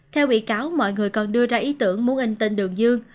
theo bị cáo mọi người còn đưa ra ý tưởng muốn in tên đường dương